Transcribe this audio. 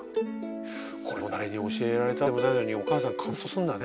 これでも誰に教えられたわけでもないのにお母さん必ずそうするんだね。